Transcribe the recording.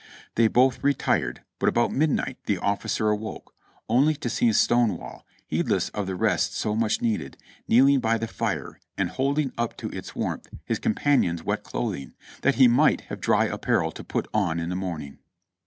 They both retired, but about midnight the officer awoke, only to see Stonewall, heedless of the rest so much needed, kneeling by the fire and holding up to its warmth his companion's wet clothing, that he might have dry apparel to put on in the morning.